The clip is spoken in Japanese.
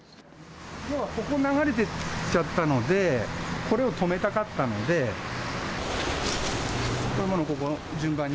ここを流れてきちゃったのでここを止めたかった。